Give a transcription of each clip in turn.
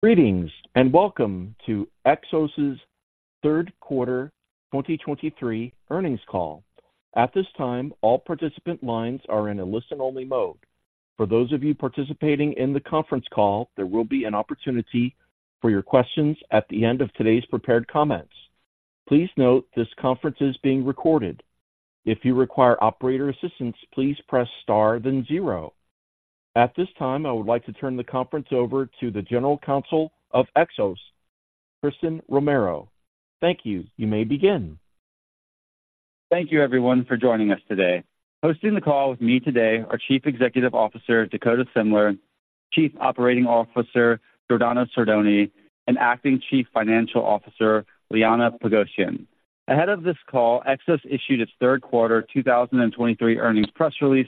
Greetings, and welcome to Xos's third quarter 2023 earnings call. At this time, all participant lines are in a listen-only mode. For those of you participating in the conference call, there will be an opportunity for your questions at the end of today's prepared comments. Please note that this conference is being recorded. If you require operator assistance, please press star then zero. At this time, I would like to turn the conference over to the General Counsel of Xos, Christen Romero. Thank you. You may begin. Thank you, everyone, for joining us today. Hosting the call with me today are Chief Executive Officer, Dakota Semler, Chief Operating Officer, Giordano Sordoni, and Acting Chief Financial Officer, Liana Pogosyan. Ahead of this call, Xos issued its third quarter 2023 earnings press release,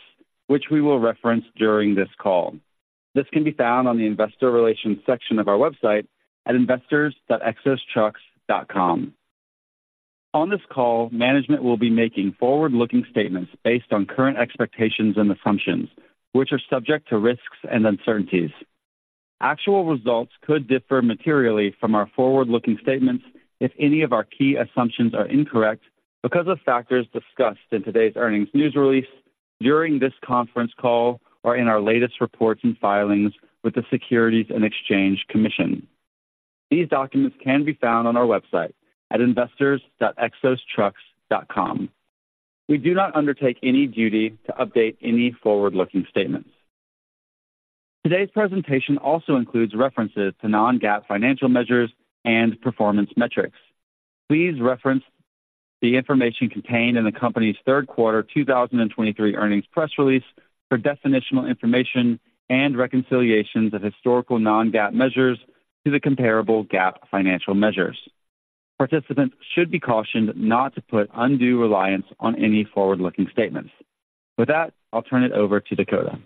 which we will reference during this call. This can be found on the investor relations section of our website at investors.xostrucks.com. On this call, management will be making forward-looking statements based on current expectations and assumptions, which are subject to risks and uncertainties. Actual results could differ materially from our forward-looking statements if any of our key assumptions are incorrect because of factors discussed in today's earnings news release, during this conference call, or in our latest reports and filings with the Securities and Exchange Commission. These documents can be found on our website at investors.xostrucks.com. We do not undertake any duty to update any forward-looking statements. Today's presentation also includes references to non-GAAP financial measures and performance metrics. Please reference the information contained in the company's third quarter 2023 earnings press release for definitional information and reconciliations of historical non-GAAP measures to the comparable GAAP financial measures. Participants should be cautioned not to put undue reliance on any forward-looking statements. With that, I'll turn it over to Dakota.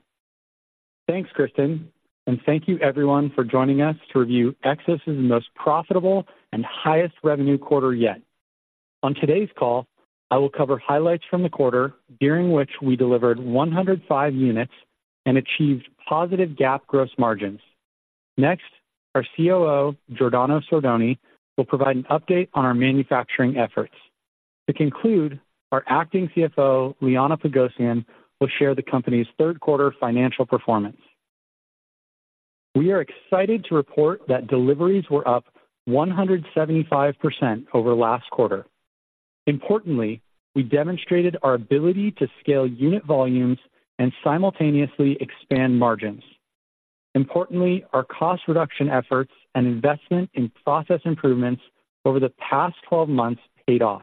Thanks, Christen, and thank you, everyone, for joining us to review Xos's most profitable and highest revenue quarter yet. On today's call, I will cover highlights from the quarter during which we delivered 105 units and achieved positive GAAP gross margins. Next, our COO, Giordano Sordoni, will provide an update on our manufacturing efforts. To conclude, our acting CFO, Liana Pogosyan, will share the company's third-quarter financial performance. We are excited to report that deliveries were up 175% over last quarter. Importantly, we demonstrated our ability to scale unit volumes and simultaneously expand margins. Importantly, our cost reduction efforts and investment in process improvements over the past 12 months paid off.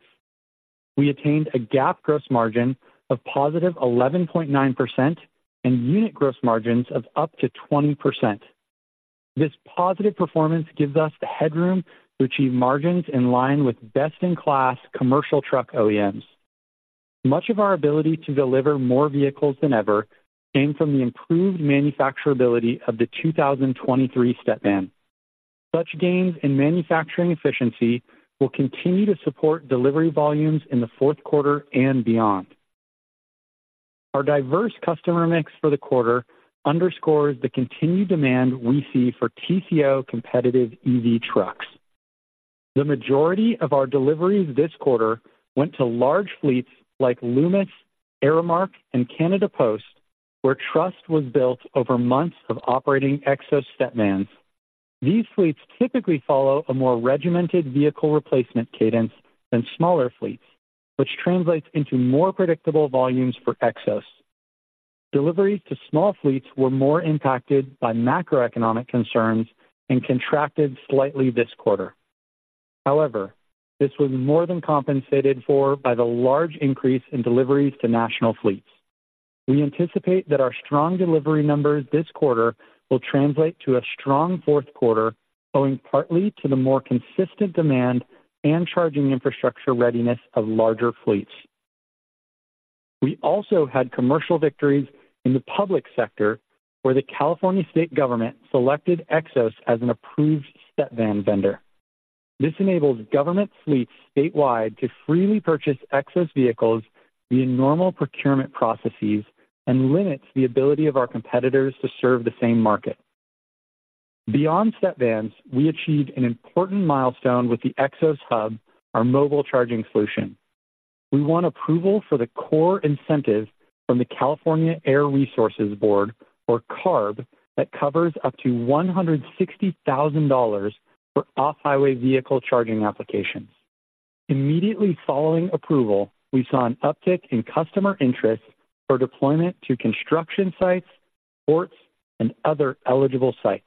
We attained a GAAP gross margin of positive 11.9% and unit gross margins of up to 20%. This positive performance gives us the headroom to achieve margins in line with best-in-class commercial truck OEMs. Much of our ability to deliver more vehicles than ever came from the improved manufacturability of the 2023 Stepvan. Such gains in manufacturing efficiency will continue to support delivery volumes in the fourth quarter and beyond. Our diverse customer mix for the quarter underscores the continued demand we see for TCO competitive EV trucks. The majority of our deliveries this quarter went to large fleets like Loomis, Aramark, and Canada Post, where trust was built over months of operating Xos Stepvans. These fleets typically follow a more regimented vehicle replacement cadence than smaller fleets, which translates into more predictable volumes for Xos. Deliveries to small fleets were more impacted by macroeconomic concerns and contracted slightly this quarter. However, this was more than compensated for by the large increase in deliveries to national fleets. We anticipate that our strong delivery numbers this quarter will translate to a strong fourth quarter, owing partly to the more consistent demand and charging infrastructure readiness of larger fleets. We also had commercial victories in the public sector, where the California state government selected Xos as an approved Stepvan vendor. This enables government fleets statewide to freely purchase Xos vehicles via normal procurement processes and limits the ability of our competitors to serve the same market. Beyond Stepvan, we achieved an important milestone with the Xos Hub, our mobile charging solution. We won approval for the core incentive from the California Air Resources Board, or CARB, that covers up to $160,000 for off-highway vehicle charging applications. Immediately following approval, we saw an uptick in customer interest for deployment to construction sites, ports, and other eligible sites.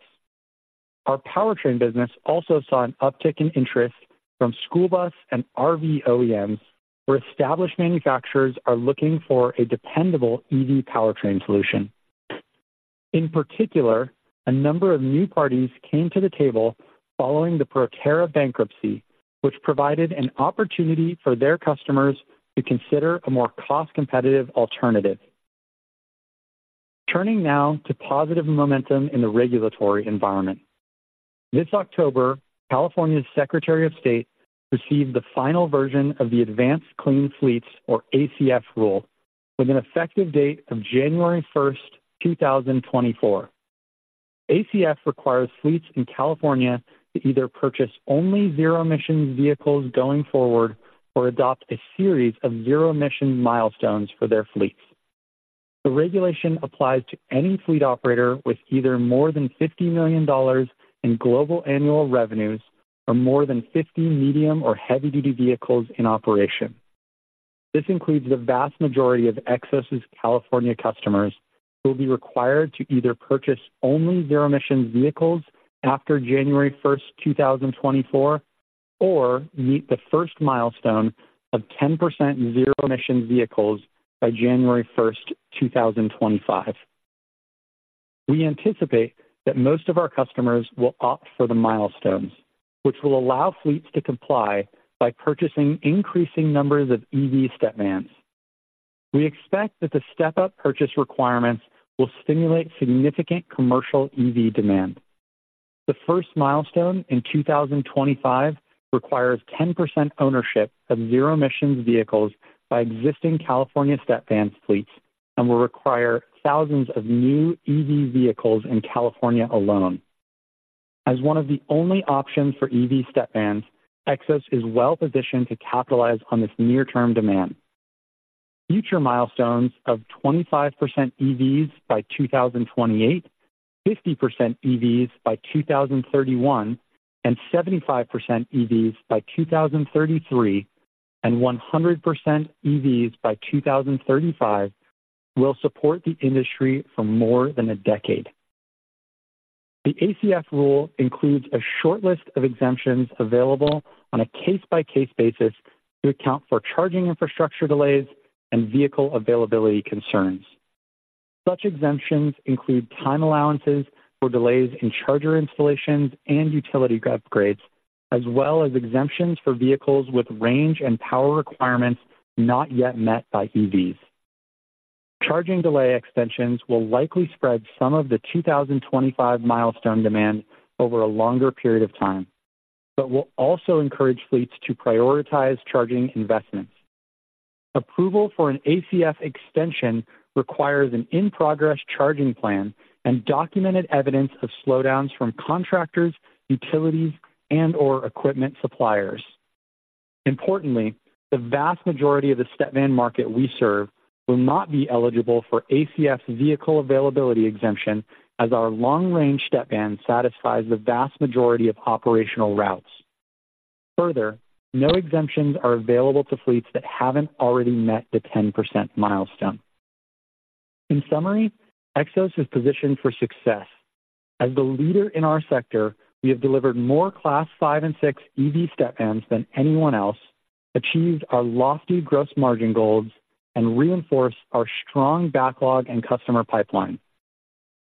Our powertrain business also saw an uptick in interest from school bus and RV OEMs, where established manufacturers are looking for a dependable EV powertrain solution. In particular, a number of new parties came to the table following the Proterra bankruptcy, which provided an opportunity for their customers to consider a more cost-competitive alternative. Turning now to positive momentum in the regulatory environment. This October, California's Secretary of State received the final version of the Advanced Clean Fleets, or ACF, rule with an effective date of January 1, 2024. ACF requires fleets in California to either purchase only zero-emission vehicles going forward or adopt a series of zero-emission milestones for their fleets. The regulation applies to any fleet operator with either more than $50 million in global annual revenues or more than 50 medium- or heavy-duty vehicles in operation. This includes the vast majority of Xos' California customers, who will be required to either purchase only zero-emission vehicles after January 1, 2024, or meet the first milestone of 10% zero-emission vehicles by January 1, 2025. We anticipate that most of our customers will opt for the milestones, which will allow fleets to comply by purchasing increasing numbers of EV Stepvans. We expect that the step-up purchase requirements will stimulate significant commercial EV demand. The first milestone in 2025 requires 10% ownership of zero-emission vehicles by existing California Stepvan fleets and will require thousands of new EV vehicles in California alone. As one of the only options for EV Stepvan, Xos is well-positioned to capitalize on this near-term demand. Future milestones of 25% EVs by 2028, 50% EVs by 2031, and 75% EVs by 2033, and 100% EVs by 2035 will support the industry for more than a decade. The ACF rule includes a short list of exemptions available on a case-by-case basis to account for charging infrastructure delays and vehicle availability concerns. Such exemptions include time allowances for delays in charger installations and utility upgrades, as well as exemptions for vehicles with range and power requirements not yet met by EVs. Charging delay extensions will likely spread some of the 2025 milestone demand over a longer period of time, but will also encourage fleets to prioritize charging investments. Approval for an ACF extension requires an in-progress charging plan and documented evidence of slowdowns from contractors, utilities, and/or equipment suppliers. Importantly, the vast majority of the Stepvan market we serve will not be eligible for ACF vehicle availability exemption, as our long-range Stepvan satisfies the vast majority of operational routes. Further, no exemptions are available to fleets that haven't already met the 10% milestone. In summary, Xos is positioned for success. As the leader in our sector, we have delivered more Class 5 and 6 EV Stepvans than anyone else, achieved our lofty gross margin goals, and reinforced our strong backlog and customer pipeline.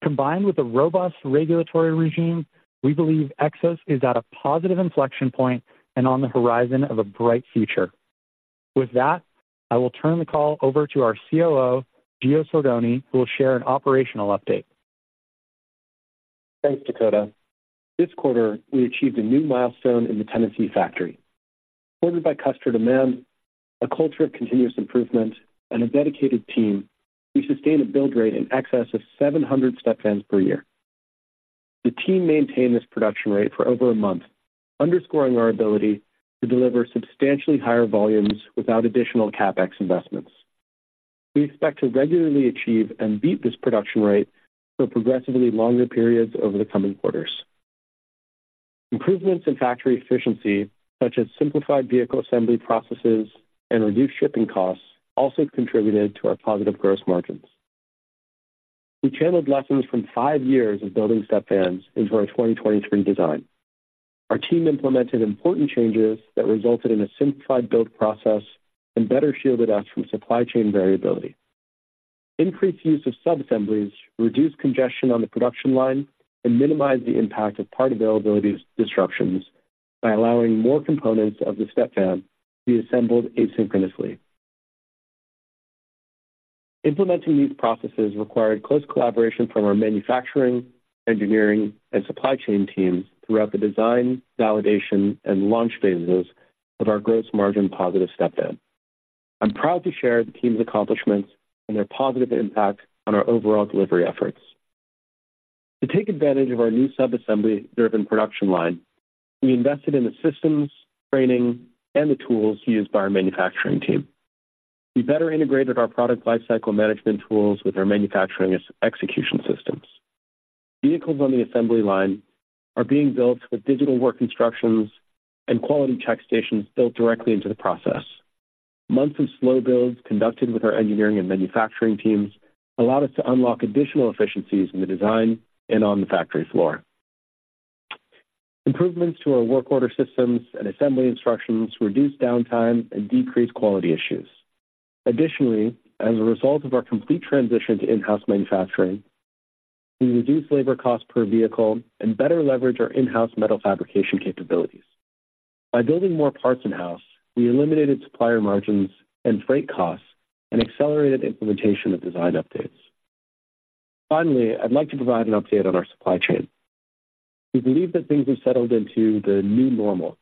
Combined with a robust regulatory regime, we believe Xos is at a positive inflection point and on the horizon of a bright future. With that, I will turn the call over to our COO, Gio Sordoni, who will share an operational update. Thanks, Dakota. This quarter, we achieved a new milestone in the Tennessee factory. Supported by customer demand, a culture of continuous improvement, and a dedicated team, we sustained a build rate in excess of 700 Stepvans per year. The team maintained this production rate for over a month, underscoring our ability to deliver substantially higher volumes without additional CapEx investments. We expect to regularly achieve and beat this production rate for progressively longer periods over the coming quarters. Improvements in factory efficiency, such as simplified vehicle assembly processes and reduced shipping costs, also contributed to our positive gross margins. We channeled lessons from five years of building Stepvans into our 2023 design. Our team implemented important changes that resulted in a simplified build process and better shielded us from supply chain variability. Increased use of subassemblies reduced congestion on the production line and minimized the impact of part availability disruptions by allowing more components of the Stepvan to be assembled asynchronously. Implementing these processes required close collaboration from our manufacturing, engineering, and supply chain teams throughout the design, validation, and launch phases of our gross margin positive Stepvan. I'm proud to share the team's accomplishments and their positive impact on our overall delivery efforts. To take advantage of our new subassembly-driven production line, we invested in the systems, training, and tools used by our manufacturing team. We better integrate our product lifecycle management tools with our manufacturing execution systems. Vehicles on the assembly line are being built with digital work instructions and quality check stations built directly into the process. Months of slow builds, conducted with our engineering and manufacturing teams, allowed us to unlock additional efficiencies in the design and on the factory floor. Improvements to our work order systems and assembly instructions reduced downtime and decreased quality issues. Additionally, as a result of our complete transition to in-house manufacturing, we reduced labor costs per vehicle and better leveraged our in-house metal fabrication capabilities. By building more parts in-house, we eliminated supplier margins and freight costs and accelerated the implementation of design updates. Finally, I'd like to provide an update on our supply chain. We believe that things have settled into the new normal.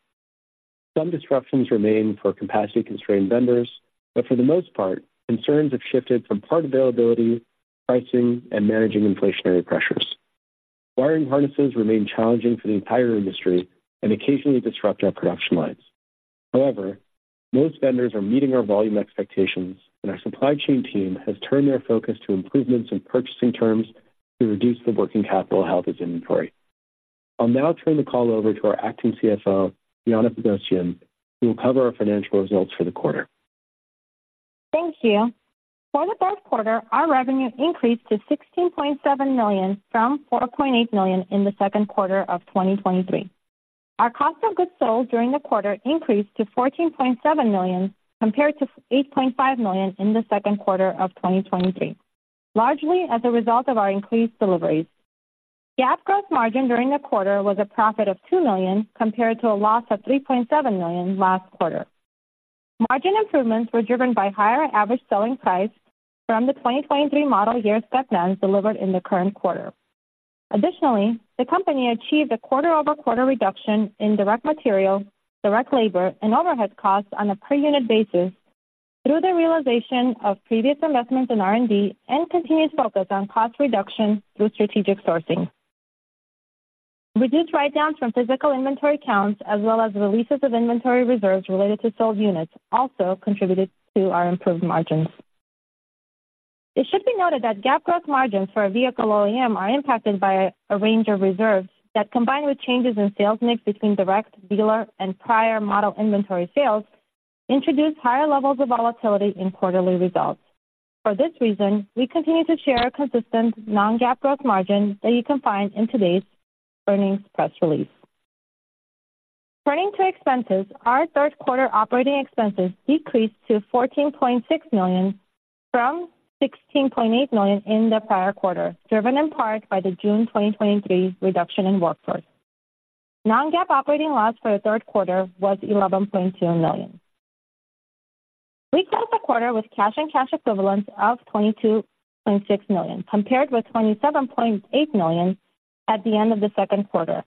Some disruptions remain for capacity-constrained vendors, but for the most part, concerns have shifted from part availability, pricing, and managing inflationary pressures. Wiring harnesses remain challenging for the entire industry and occasionally disrupt our production lines. However, most vendors are meeting our volume expectations, and our supply chain team has turned its focus to improvements in purchasing terms to reduce the working capital held as inventory. I'll now turn the call over to our Acting CFO, Liana Pogosyan, who will cover our financial results for the quarter. Thank you. For the third quarter, our revenue increased to $16.7 million from $4.8 million in the second quarter of 2023. Our cost of goods sold during the quarter increased to $14.7 million, compared to $8.5 million in the second quarter of 2023, largely as a result of our increased deliveries. GAAP gross margin during the quarter was a profit of $2 million, compared to a loss of $3.7 million last quarter. Margin improvements were driven by higher average selling price from the 2023 model year Stepvan delivered in the current quarter. Additionally, the company achieved a quarter-over-quarter reduction in direct material, direct labor, and overhead costs on a per unit basis through the realization of previous investments in R&D and continued focus on cost reduction through strategic sourcing. Reduced write-downs from physical inventory counts, as well as releases of inventory reserves related to sold units, also contributed to our improved margins. It should be noted that GAAP gross margins for a vehicle OEM are impacted by a range of reserves that, combined with changes in sales mix between direct, dealer, and prior model inventory sales, introduce higher levels of volatility in quarterly results. For this reason, we continue to share a consistent non-GAAP gross margin that you can find in today's earnings press release. Turning to expenses, our third quarter operating expenses decreased to $14.6 million from $16.8 million in the prior quarter, driven in part by the June 2023 reduction in workforce. Non-GAAP operating loss for the third quarter was $11.2 million. We closed the quarter with cash and cash equivalents of $22.6 million, compared with $27.8 million at the end of the second quarter.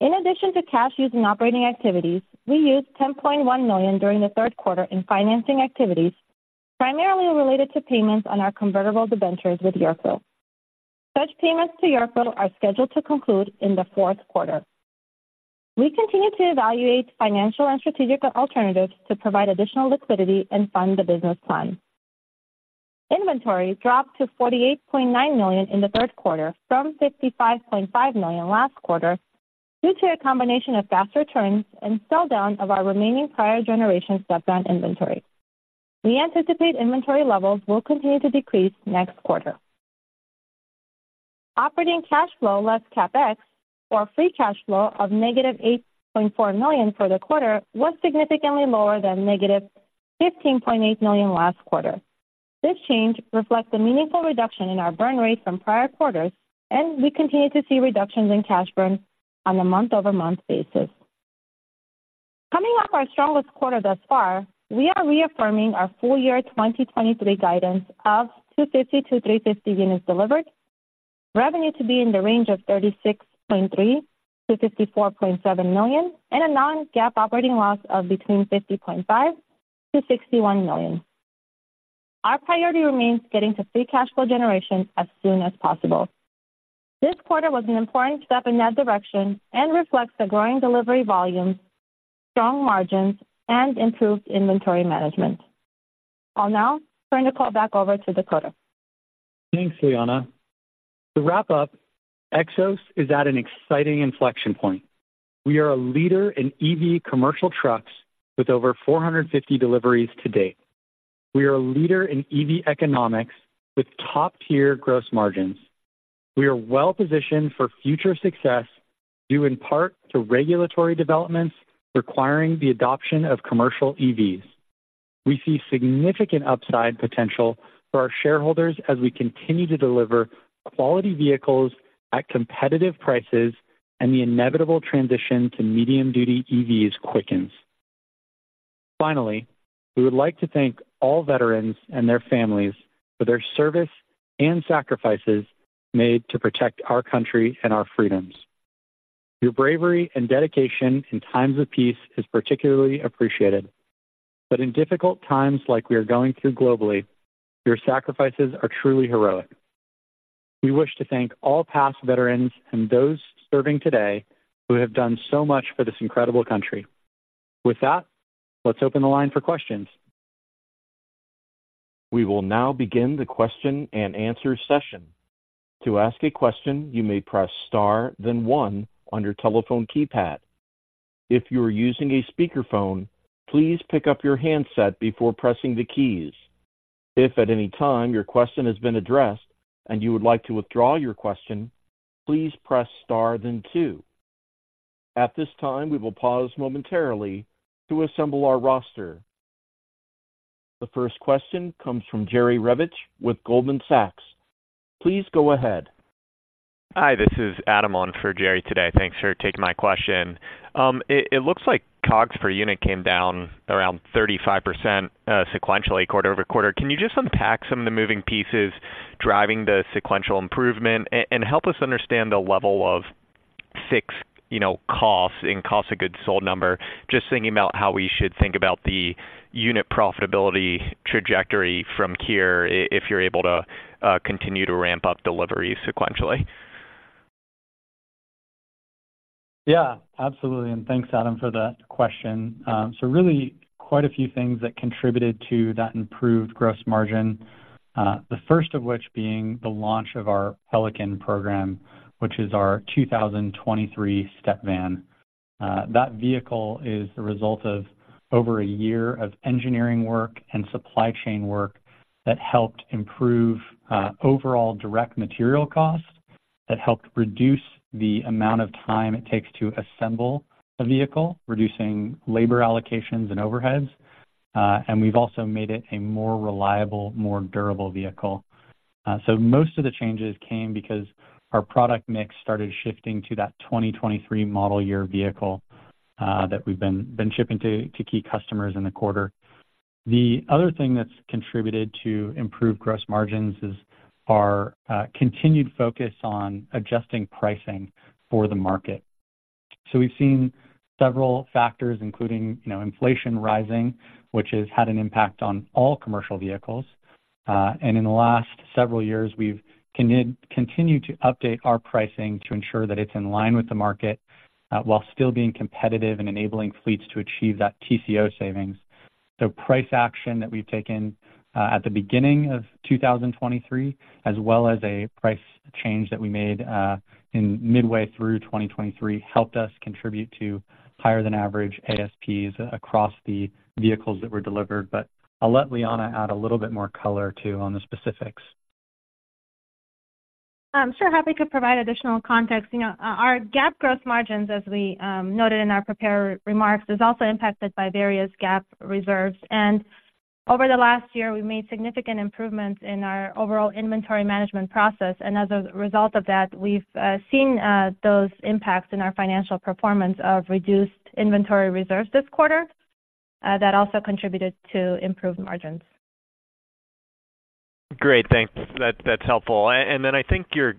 In addition to cash used in operating activities, we used $10.1 million during the third quarter in financing activities, primarily related to payments on our convertible debentures with Yorkville. Such payments to Yorkville are scheduled to conclude in the fourth quarter. We continue to evaluate financial and strategic alternatives to provide additional liquidity and fund the business plan. Inventory dropped to $48.9 million in the third quarter from $55.5 million last quarter due to a combination of fast returns and sell down of our remaining prior generation Stepvan inventory. We anticipate inventory levels will continue to decrease next quarter. Operating cash flow, less CapEx, or free cash flow of -$8.4 million for the quarter, was significantly lower than -$15.8 million last quarter. This change reflects a meaningful reduction in our burn rate from prior quarters, and we continue to see reductions in cash burn on a month-over-month basis. Coming off our strongest quarter thus far, we are reaffirming our full year 2023 guidance of 250-350 units delivered, revenue to be in the range of $36.3 million-$54.7 million, and a non-GAAP operating loss of between $50.5 million-$61 million. Our priority remains getting to free cash flow generation as soon as possible. This quarter was an important step in that direction and reflects the growing delivery volume, strong margins, and improved inventory management. I'll now turn the call back over to Dakota. Thanks, Liana. To wrap up, Xos is at an exciting inflection point. We are a leader in EV commercial trucks with over 450 deliveries to date. We are a leader in EV economics with top-tier gross margins. We are well positioned for future success, due in part to regulatory developments requiring the adoption of commercial EVs. We see significant upside potential for our shareholders as we continue to deliver quality vehicles at competitive prices and the inevitable transition to medium-duty EVs quickens. Finally, we would like to thank all veterans and their families for their service and sacrifices made to protect our country and our freedoms. Your bravery and dedication in times of peace is particularly appreciated, but in difficult times like we are going through globally, your sacrifices are truly heroic. We wish to thank all past veterans and those serving today who have done so much for this incredible country. With that, let's open the line for questions. We will now begin the question-and-answer session. To ask a question, you may press star then one on your telephone keypad. If you are using a speakerphone, please pick up your handset before pressing the keys. If at any time your question has been addressed and you would like to withdraw your question, please press star then two. At this time, we will pause momentarily to assemble our roster. The first question comes from Jerry Revich with Goldman Sachs. Please go ahead. Hi, this is Adam on for Jerry today. Thanks for taking my question. It looks like COGS per unit came down around 35%, sequentially, quarter-over-quarter. Can you just unpack some of the moving pieces driving the sequential improvement? And help us understand the level of fixed, you know, costs and cost of goods sold number, just thinking about how we should think about the unit profitability trajectory from here, if you're able to continue to ramp up deliveries sequentially. Yeah, absolutely, and thanks, Adam, for that question. So, really quite a few things that contributed to that improved gross margin. The first of which being the launch of our Pelican program, which is our 2023 Stepvan. That vehicle is the result of over a year of engineering work and supply chain work that helped improve overall direct material costs, that helped reduce the amount of time it takes to assemble a vehicle, reducing labor allocations and overheads. And we've also made it a more reliable, more durable vehicle. So most of the changes came because our product mix started shifting to that 2023 model year vehicle that we've been shipping to key customers in the quarter. The other thing that's contributed to improved gross margins is our continued focus on adjusting pricing for the market. So we've seen several factors, including, you know, inflation rising, which has had an impact on all commercial vehicles. And in the last several years, we've continued to update our pricing to ensure that it's in line with the market, while still being competitive and enabling fleets to achieve that TCO savings. So price action that we've taken at the beginning of 2023, as well as a price change that we made in midway through 2023, helped us contribute to higher than average ASPs across the vehicles that were delivered. But I'll let Liana add a little bit more color, too, on the specifics. I'm sure happy to provide additional context. You know, our GAAP growth margins, as we noted in our prepared remarks, is also impacted by various GAAP reserves. Over the last year, we've made significant improvements in our overall inventory management process, and as a result of that, we've seen those impacts in our financial performance of reduced inventory reserves this quarter, that also contributed to improved margins. Great, thanks. That, that's helpful. And then I think your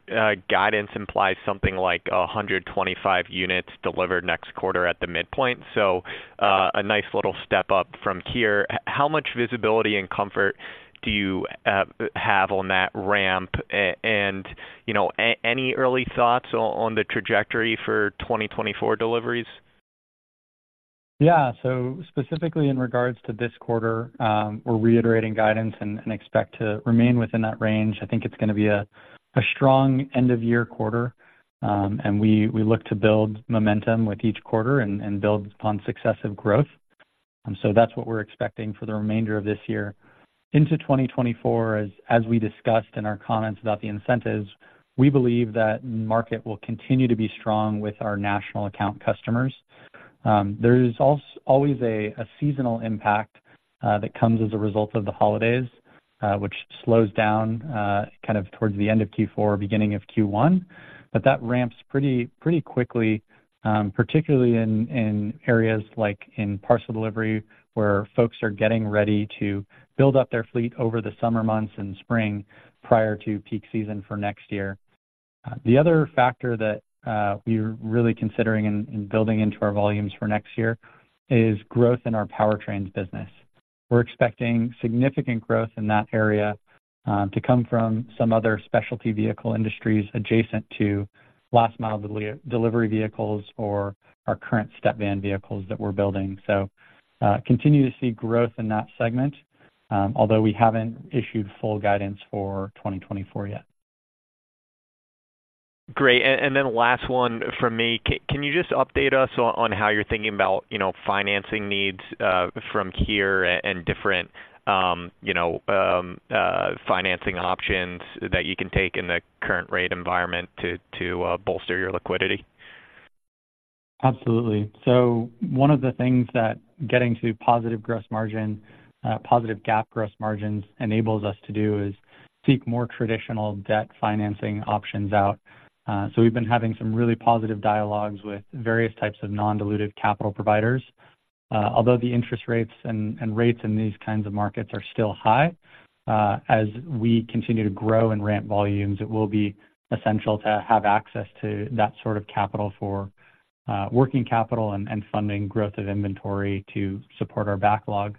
guidance implies something like 125 units delivered next quarter at the midpoint, so, a nice little step up from here. How much visibility and comfort do you have on that ramp? And, you know, any early thoughts on the trajectory for 2024 deliveries? Yeah. So specifically in regards to this quarter, we're reiterating guidance and expect to remain within that range. I think it's going to be a strong end-of-year quarter. And we look to build momentum with each quarter and build upon successive growth. So that's what we're expecting for the remainder of this year. Into 2024, as we discussed in our comments about the incentives, we believe that market will continue to be strong with our national account customers. There is always a seasonal impact that comes as a result of the holidays, which slows down kind of towards the end of Q4, beginning of Q1. But that ramps pretty, pretty quickly, particularly in areas like parcel delivery, where folks are getting ready to build up their fleet over the summer months and spring prior to peak season for next year. The other factor that we're really considering and building into our volumes for next year is growth in our powertrains business. We're expecting significant growth in that area, to come from some other specialty vehicle industries adjacent to last-mile delivery vehicles or our current Stepvan vehicles that we're building. So, continue to see growth in that segment, although we haven't issued full guidance for 2024 yet. Great. And then last one from me. Can you just update us on how you're thinking about, you know, financing needs from here and different, you know, financing options that you can take in the current rate environment to bolster your liquidity? Absolutely. One of the things that getting to positive gross margin, positive GAAP gross margins, enables us to do is seek more traditional debt financing options out. We've been having some really positive dialogues with various types of non-dilutive capital providers. Although the interest rates and rates in these kinds of markets are still high, as we continue to grow and ramp volumes, it will be essential to have access to that sort of capital for working capital and funding growth of inventory to support our backlog.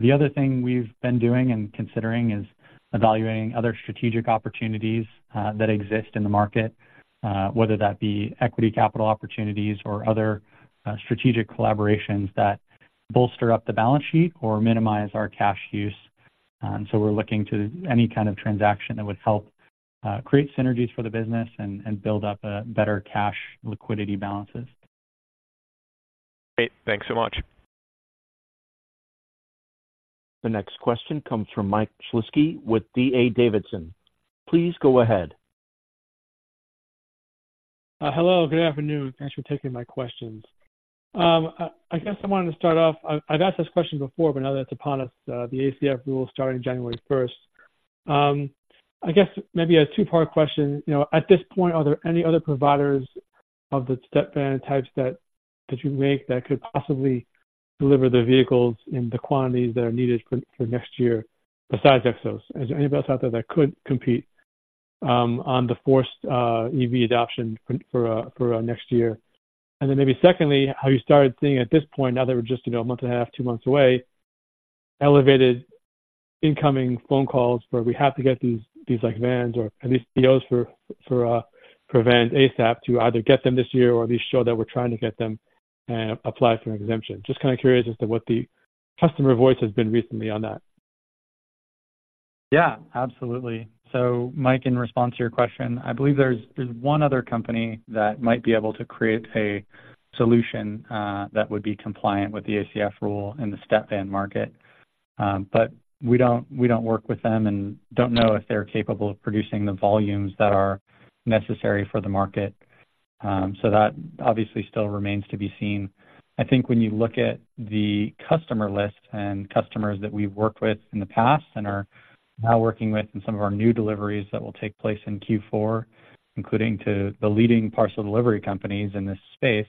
The other thing we've been doing and considering is evaluating other strategic opportunities that exist in the market, whether that be equity capital opportunities or other strategic collaborations that bolster up the balance sheet or minimize our cash use. So we're looking to any kind of transaction that would help create synergies for the business and build up a better cash liquidity balances. Great. Thanks so much. The next question comes from Mike Shlisky with D.A. Davidson. Please go ahead. Hello, good afternoon. Thanks for taking my questions. I guess I wanted to start off, I've asked this question before, but now that it's upon us, the ACF rule starting January first. I guess maybe a two-part question. You know, at this point, are there any other providers of the Stepvan types that you make that could possibly deliver the vehicles in the quantities that are needed for next year, besides Xos? Is there anybody else out there that could compete on the forced EV adoption for next year? Then maybe secondly, how you started seeing at this point, now that we're just, you know, a month and a half, two months away, elevated incoming phone calls where we have to get these, these, like, Stepvan or at least POs for, for, present ASAP to either get them this year or at least show that we're trying to get them and apply for an exemption. Just kind of curious as to what the customer voice has been recently on that. Yeah, absolutely. So Mike, in response to your question, I believe there's one other company that might be able to create a solution that would be compliant with the ACF rule in the Stepvan market. But we don't work with them and don't know if they're capable of producing the volumes that are necessary for the market. So that obviously still remains to be seen. I think when you look at the customer list and customers that we've worked with in the past and are now working with in some of our new deliveries that will take place in Q4, including the leading parcel delivery companies in this space,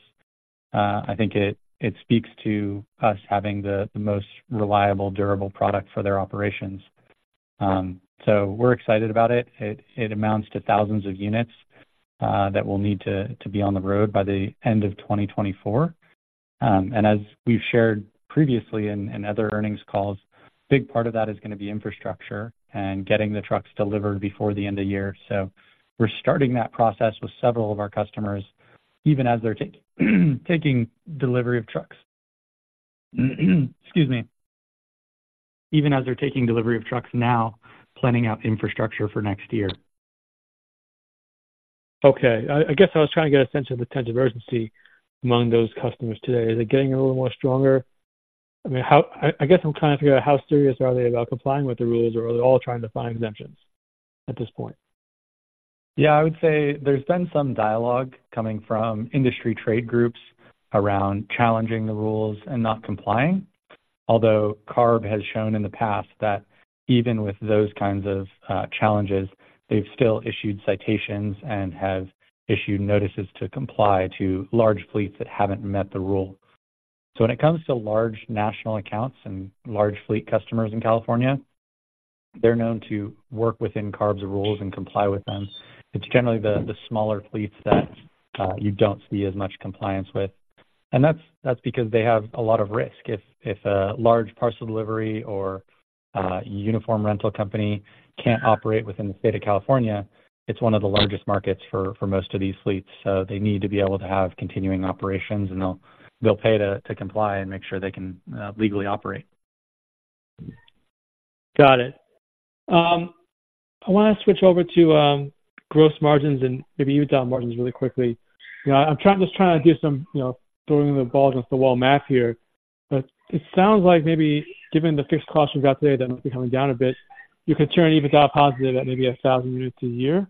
I think it speaks to us having the most reliable, durable product for their operations. So we're excited about it. It amounts to thousands of units that will need to be on the road by the end of 2024. And as we've shared previously in other earnings calls, big part of that is going to be infrastructure and getting the trucks delivered before the end of year. So we're starting that process with several of our customers, even as they're taking delivery of trucks. Excuse me. Even as they're taking delivery of trucks now, planning out infrastructure for next year. Okay. I guess I was trying to get a sense of the sense of urgency among those customers today. Is it getting a little more stronger? I mean, how... I guess I'm trying to figure out how serious are they about complying with the rules, or are they all trying to find exemptions at this point? Yeah, I would say there's been some dialogue coming from industry trade groups around challenging the rules and not complying. Although CARB has shown in the past that even with those kinds of challenges, they've still issued citations and have issued notices to comply to large fleets that haven't met the rule. So when it comes to large national accounts and large fleet customers in California, they're known to work within CARB's rules and comply with them. It's generally the smaller fleets that you don't see as much compliance with, and that's because they have a lot of risk. If a large parcel delivery or uniform rental company can't operate within the state of California, it's one of the largest markets for most of these fleets. So they need to be able to have continuing operations, and they'll pay to comply and make sure they can legally operate. Got it. I want to switch over to, gross margins and maybe EBITDA margins really quickly. You know, I'm trying, just trying to do some, you know, throwing the balls against the wall math here, but it sounds like maybe given the fixed costs you've got today, that might be coming down a bit, you could turn EBITDA positive at maybe 1,000 units a year.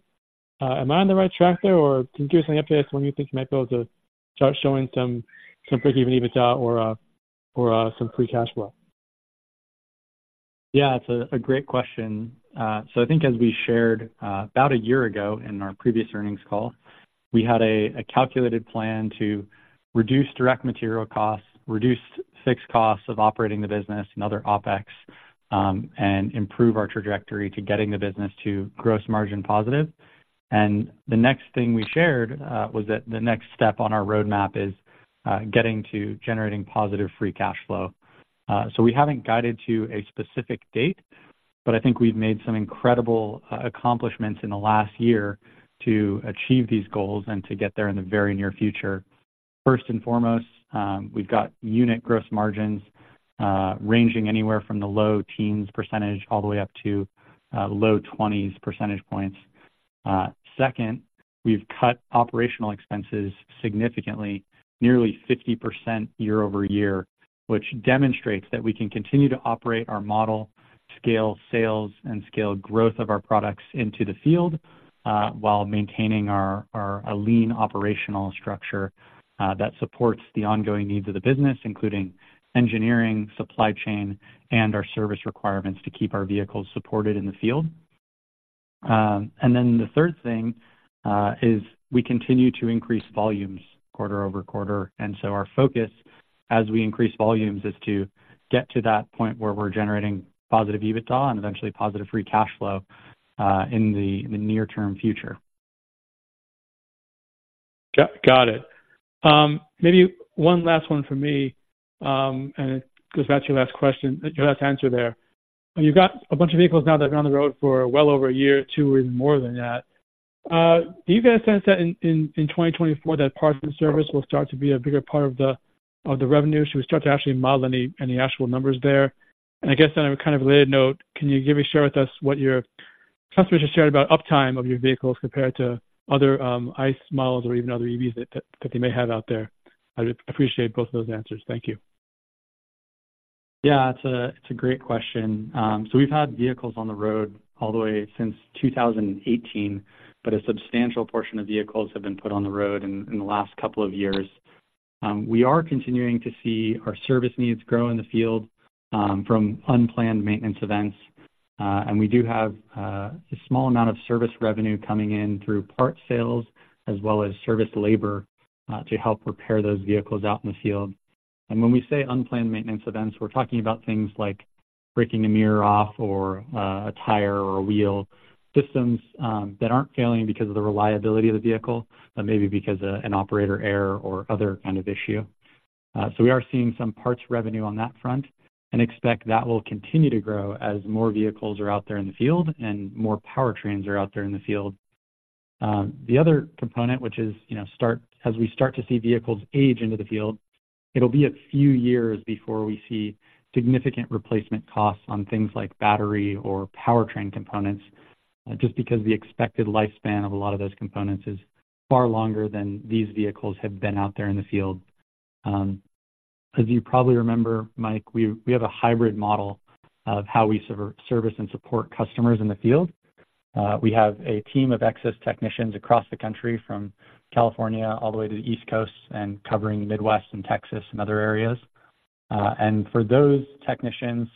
Am I on the right track there, or can you give us an update on when you think you might be able to start showing some break-even EBITDA or some free cash flow? Yeah, it's a great question. So I think as we shared about a year ago in our previous earnings call, we had a calculated plan to reduce direct material costs, reduce fixed costs of operating the business and other OpEx, and improve our trajectory to getting the business to gross margin positive. And the next thing we shared was that the next step on our roadmap is getting to generating positive free cash flow. So we haven't guided to a specific date, but I think we've made some incredible accomplishments in the last year to achieve these goals and to get there in the very near future. First and foremost, we've got unit gross margins ranging anywhere from the low teens % all the way up to the low twenties percentage points. Second, we've cut operational expenses significantly, nearly 50% year-over-year, which demonstrates that we can continue to operate our model, scale sales, and scale growth of our products into the field, while maintaining our a lean operational structure that supports the ongoing needs of the business, including engineering, supply chain, and our service requirements to keep our vehicles supported in the field. And then the third thing is we continue to increase volumes quarter-over-quarter, and so our focus as we increase volumes is to get to that point where we're generating positive EBITDA and eventually positive free cash flow in the near-term future. Got it. Maybe one last one for me, and it goes back to your last question, your last answer there. You've got a bunch of vehicles now that have been on the road for well over a year or two or even more than that. Do you get a sense that in 2024, that parts and service will start to be a bigger part of the revenue? Should we start to actually model any actual numbers there? And I guess on a kind of related note, can you share with us what your customers have shared about uptime of your vehicles compared to other ICE models or even other EVs that they may have out there? I'd appreciate both of those answers. Thank you. Yeah, it's a great question. So we've had vehicles on the road all the way since 2018, but a substantial portion of vehicles have been put on the road in the last couple of years. We are continuing to see our service needs grow in the field from unplanned maintenance events. And we do have a small amount of service revenue coming in through parts sales as well as service labor to help repair those vehicles out in the field. And when we say unplanned maintenance events, we're talking about things like breaking a mirror off or a tire or a wheel. Systems that aren't failing because of the reliability of the vehicle, but maybe because of an operator error or other kind of issue. So we are seeing some parts revenue on that front and expect that will continue to grow as more vehicles are out there in the field and more powertrains are out there in the field. The other component, which is, you know, as we start to see vehicles age into the field, it'll be a few years before we see significant replacement costs on things like battery or powertrain components, just because the expected lifespan of a lot of those components is far longer than these vehicles have been out there in the field. As you probably remember, Mike, we have a hybrid model of how we service and support customers in the field. We have a team of Xos technicians across the country, from California all the way to the East Coast and covering the Midwest and Texas and other areas. And for those technicians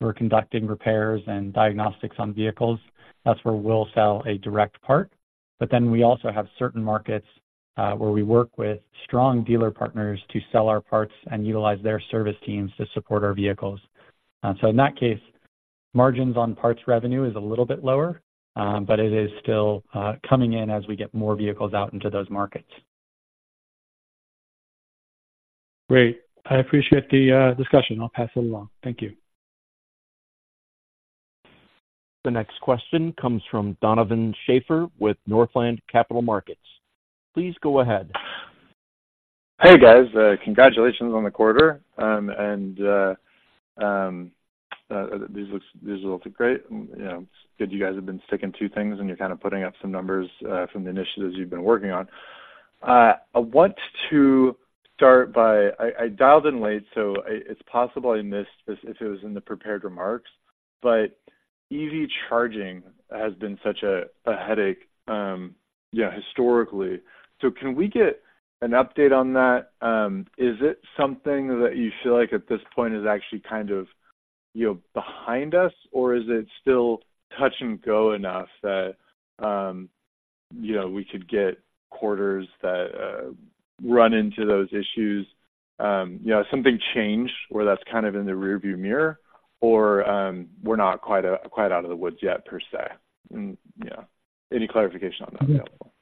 who are conducting repairs and diagnostics on vehicles, that's where we'll sell a direct part. But then we also have certain markets, where we work with strong dealer partners to sell our parts and utilize their service teams to support our vehicles. So in that case, margins on parts revenue is a little bit lower, but it is still coming in as we get more vehicles out into those markets. Great. I appreciate the discussion. I'll pass it along. Thank you. The next question comes from Donovan Schafer with Northland Capital Markets. Please go ahead. Hey, guys, congratulations on the quarter. This looks great. You know, it's good you guys have been sticking to things, and you're kind of putting up some numbers from the initiatives you've been working on. I want to start by... I dialed in late, so it's possible I missed this if it was in the prepared remarks, but EV charging has been such a headache, yeah, historically. So can we get an update on that? Is it something that you feel like at this point is actually kind of, you know, behind us, or is it still touch and go enough that, you know, we could get quarters that run into those issues? You know, has something changed, where that's kind of in the rearview mirror or, we're not quite out of the woods yet, per se? Yeah, any clarification on that would be helpful.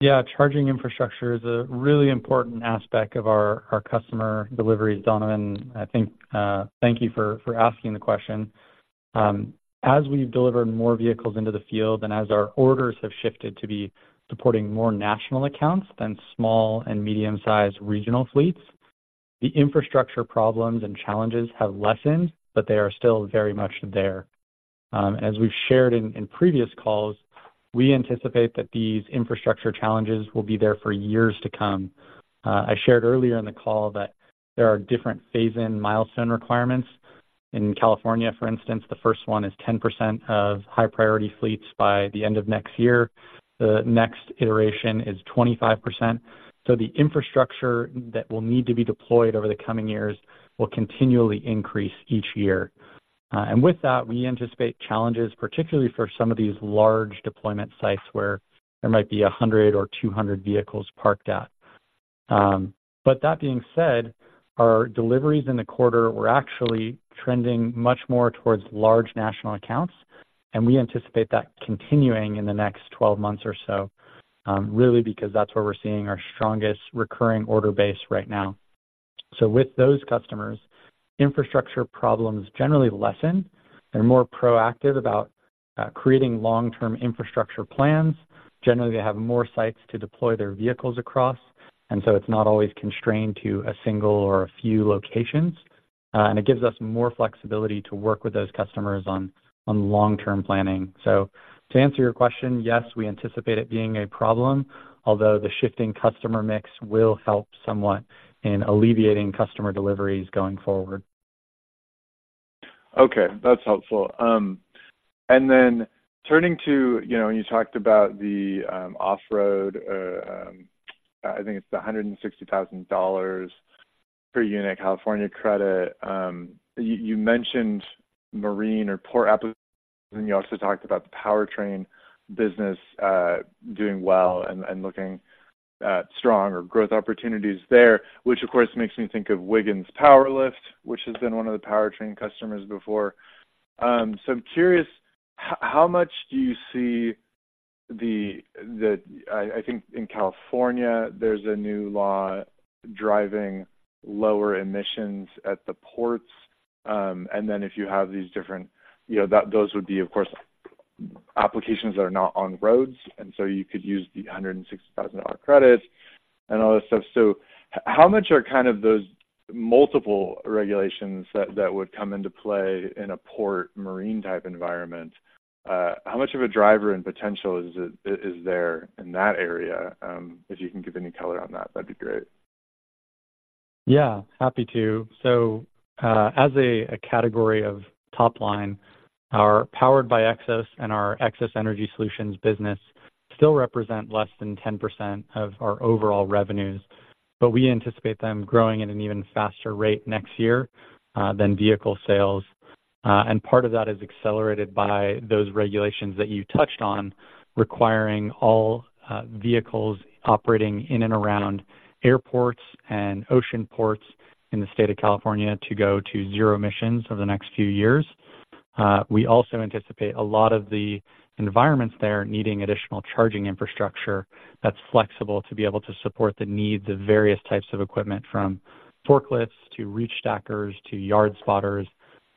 Yeah. Charging infrastructure is a really important aspect of our customer deliveries, Donovan. I think, thank you for asking the question. As we've delivered more vehicles into the field and as our orders have shifted to be supporting more national accounts than small and medium-sized regional fleets, the infrastructure problems and challenges have lessened, but they are still very much there. As we've shared in previous calls, we anticipate that these infrastructure challenges will be there for years to come. I shared earlier in the call that there are different phase-in milestone requirements. In California, for instance, the first one is 10% of high-priority fleets by the end of next year. The next iteration is 25%. So the infrastructure that will need to be deployed over the coming years will continually increase each year. And with that, we anticipate challenges, particularly for some of these large deployment sites, where there might be 100 or 200 vehicles parked at. But that being said, our deliveries in the quarter were actually trending much more towards large national accounts, and we anticipate that continuing in the next 12 months or so, really, because that's where we're seeing our strongest recurring order base right now. So with those customers, infrastructure problems generally lessen. They're more proactive about creating long-term infrastructure plans. Generally, they have more sites to deploy their vehicles across, and so it's not always constrained to a single or a few locations. And it gives us more flexibility to work with those customers on, on long-term planning. To answer your question, yes, we anticipate it being a problem, although the shifting customer mix will help somewhat in alleviating customer deliveries going forward. Okay, that's helpful. And then turning to, you know, when you talked about the off-road, I think it's the $160,000 per unit California credit. You mentioned marine or port applications, and you also talked about the powertrain business doing well and looking strong or growth opportunities there, which, of course, makes me think of Wiggins Lift Co., which has been one of the powertrain customers before. So I'm curious, how much do you see the, the... I think in California, there's a new law driving lower emissions at the ports. And then if you have these different, you know, those would be, of course, applications that are not on roads, and so you could use the $160,000 credit and all that stuff. So how much are kind of those multiple regulations would come into play in a port marine-type environment? How much of a driver and potential is it, is there in that area? If you can give any color on that, that'd be great. Yeah, happy to. So, as a category of top line, our Powered by Xos and our Xos Energy Solutions business still represent less than 10% of our overall revenues, but we anticipate them growing at an even faster rate next year than vehicle sales. And part of that is accelerated by those regulations that you touched on, requiring all vehicles operating in and around airports and ocean ports in the state of California to go to zero emissions over the next few years. We also anticipate a lot of the environments there needing additional charging infrastructure that's flexible to be able to support the needs of various types of equipment, from forklifts to reach stackers, to yard spotters,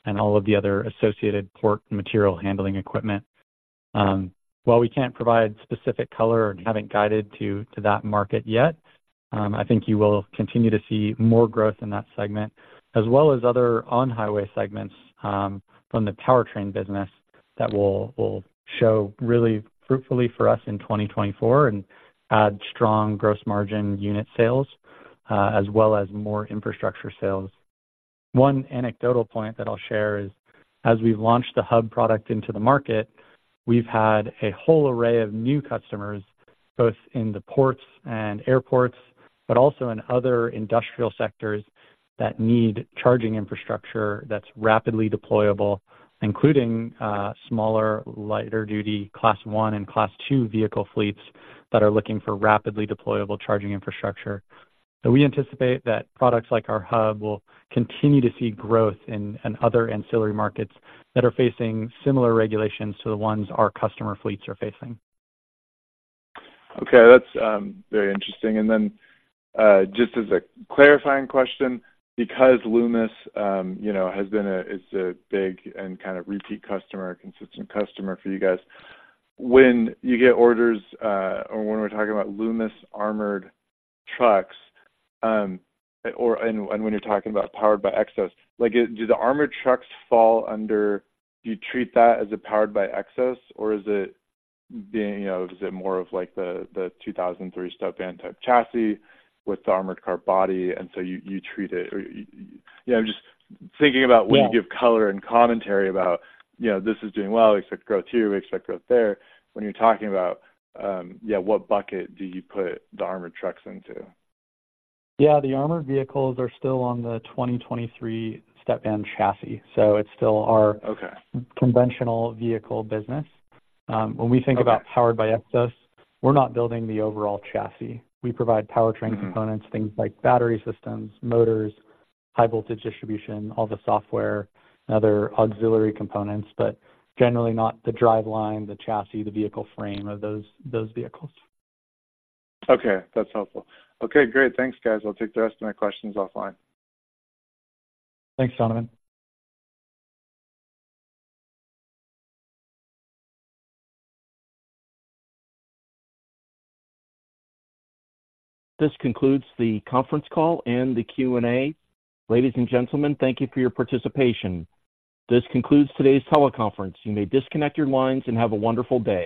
and all of the other associated port material handling equipment. While we can't provide specific color or haven't guided to that market yet, I think you will continue to see more growth in that segment, as well as other on-highway segments, from the powertrain business that will show really fruitfully for us in 2024 and add strong gross margin unit sales, as well as more infrastructure sales. One anecdotal point that I'll share is, as we've launched the Hub product into the market, we've had a whole array of new customers, both in the ports and airports, but also in other industrial sectors that need charging infrastructure that's rapidly deployable, including smaller, lighter duty Class I and Class II vehicle fleets that are looking for rapidly deployable charging infrastructure. So we anticipate that products like our Hub will continue to see growth in other ancillary markets that are facing similar regulations to the ones our customer fleets are facing. Okay, that's very interesting. Then, just as a clarifying question, because Loomis, you know, has been a big and kind of repeat customer, consistent customer for you guys, when you get orders, or when we're talking about Loomis armored trucks, or when you're talking about Powered by Xos, like, do the armored trucks fall under. Do you treat that as a Powered by Xos, or is it, you know, is it more of like the, the 2023 Stepvan type chassis with the armored car body, and so you treat it or, you know, just thinking about- Yeah. when you give color and commentary about, you know, this is doing well, we expect growth here, we expect growth there. When you're talking about, what bucket do you put the armored trucks into? Yeah, the armored vehicles are still on the 2023 Stepvan chassis, so it's still our- Okay. -conventional vehicle business. When we think about- Okay. Powered by Xos, we're not building the overall chassis. We provide powertrain components, things like battery systems, motors, high-voltage distribution, all the software, and other auxiliary components, but generally not the driveline, the chassis, the vehicle frame of those vehicles. Okay, that's helpful. Okay, great. Thanks, guys. I'll take the rest of my questions offline. Thanks, Donovan. This concludes the conference call and the Q&A. Ladies and gentlemen, thank you for your participation. This concludes today's teleconference. You may disconnect your lines and have a wonderful day.